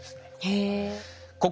へえ。